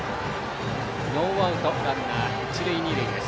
ノーアウトランナー、一塁二塁。